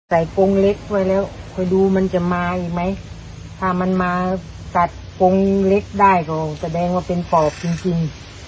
กงเล็กไว้แล้วคอยดูมันจะมาอีกไหมถ้ามันมากัดกงเล็กได้ก็แสดงว่าเป็นปอบจริงจริง